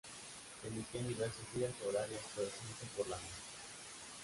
Se emitía en diversos días y horarios pero siempre por la noche.